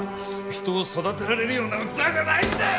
人を育てられるような器じゃないんだよ！